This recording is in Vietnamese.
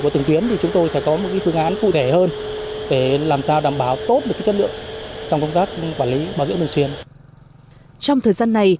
trong thời gian này